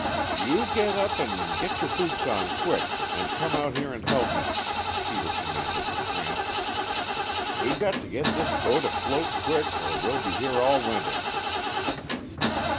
"You get up and get your boots on quick, and come out here and help me," Peter commanded the tramp. "We got to get this boat afloat quick or we'll be here all winter."